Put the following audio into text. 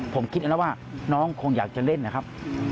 ผมคิดแล้วนะว่าน้องคงอยากจะเล่นนะครับ